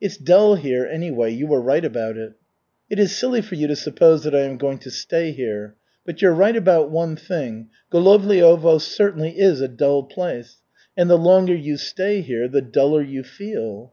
It's dull here, anyway, you were right about it." "It is silly for you to suppose that I am going to stay here. But you're right about one thing, Golovliovo certainly is a dull place. And the longer you stay here the duller you feel."